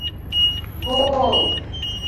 Го-ол!